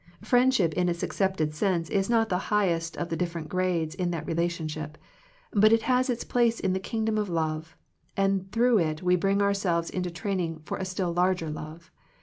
Friendship in its accepted sense is not the highest of the different grades in that relationship, but it has its place in the kingdom of love, and through it we bring ourselves into training for a still larger love.